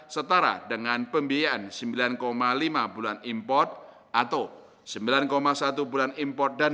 serta montilaniam internal die cournie dauta die counter yang berbeda